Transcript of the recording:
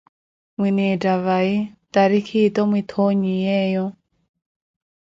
Mwinettha vai, tariki ettho mwitthonyiyeeyo?